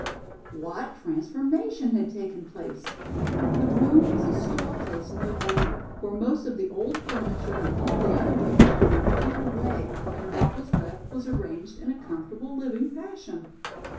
What transformation had taken place! The room was a store place no longer, for most of the old furniture and all the other rubbish had been cleared away and what was left was arranged in a comfortable, living fashion.